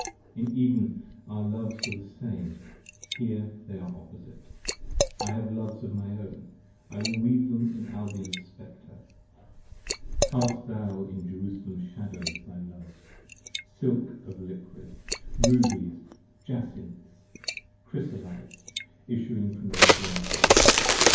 In Eden our Loves were the same, here they are opposite. I have Loves of my own, I will weave them in Albion's Spectre. Cast thou in Jerusalem's shadows thy Loves; silk of liquid 20 Rubies, Jacinths, Crysolites, issuing from thy Furnaces.